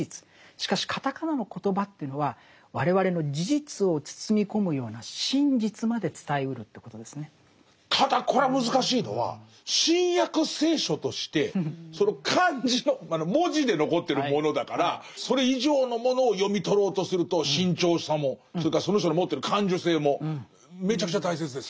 しかしカタカナのコトバというのはただこれは難しいのは「新約聖書」としてその漢字の文字で残ってるものだからそれ以上のものを読み取ろうとすると慎重さもそれからその人の持ってる感受性もめちゃくちゃ大切ですね。